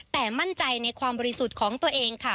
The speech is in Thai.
แต่มั่นใจในความบริสุทธิ์ของตัวเองค่ะ